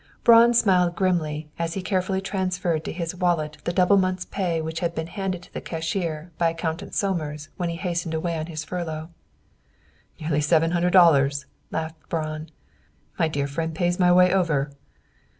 Braun smiled grimly as he carefully transferred to his wallet the double month's pay which had been handed to the cashier by accountant Somers when he hastened away on his furlough. "Nearly seven hundred dollars," laughed Braun. "My dead friend pays my way over."